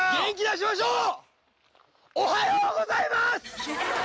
おはようございます！